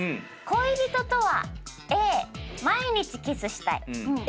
恋人とはＡ毎日キスしたい。